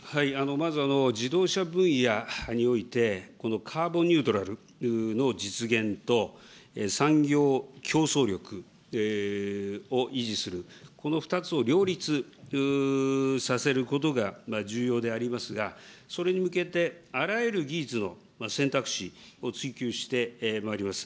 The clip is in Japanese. まず、自動車分野において、このカーボンニュートラルの実現と、産業競争力を維持する、この２つを両立させることが重要でありますが、それに向けてあらゆる技術の選択肢を追求してまいります。